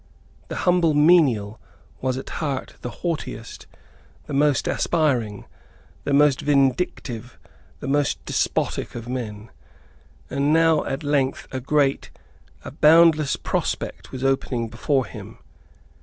The humble menial was at heart the haughtiest, the most aspiring, the most vindictive, the most despotic of men. And now at length a great, a boundless prospect was opening before him.